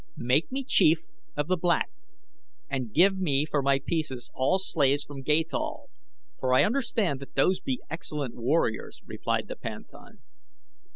"Make me chief of the Black and give me for my pieces all slaves from Gathol, for I understand that those be excellent warriors," replied the panthan.